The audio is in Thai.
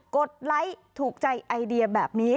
ดไลค์ถูกใจไอเดียแบบนี้